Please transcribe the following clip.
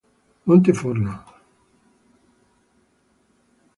Monte Forno